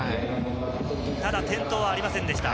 ただ転倒はありませんでした。